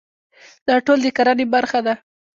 دا ټول د کرنې برخه ده.